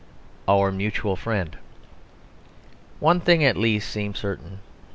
OUR MUTUAL FRIEND One thing at least seems certain.